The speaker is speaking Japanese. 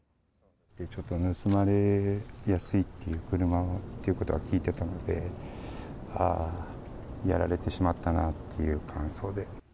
ちょっと盗まれやすい車ということは聞いてたので、あー、やられてしまったなあっていう感想で。